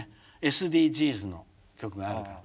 ＳＤＧｓの曲があるから。